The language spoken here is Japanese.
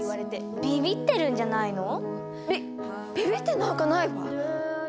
びびびってなんかないわ！